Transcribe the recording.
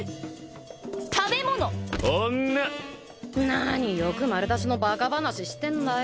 何欲丸出しのバカ話してんだよ。